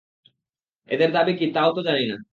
এদের দাবি কী তা-ও জানি না।